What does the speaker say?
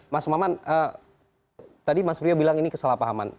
mas maman tadi mas priyo bilang ini kesalah pahaman